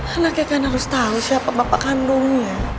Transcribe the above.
anaknya kan harus tau siapa bapak kandungnya